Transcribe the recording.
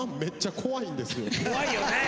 怖いよね。